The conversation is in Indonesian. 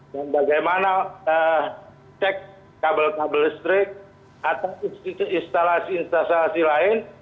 dan bagaimana cek kabel kabel listrik atau instalasi instalasi lain